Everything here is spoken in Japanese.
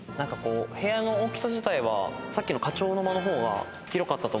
部屋の大きさ自体はさっきの花鳥の間の方が広かったと思う。